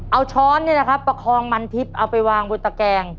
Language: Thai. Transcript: เอาช้อนนี่นะครับประคองมันทิพย์เอาไปวางบนตะแกง